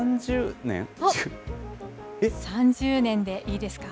３０年でいいですか？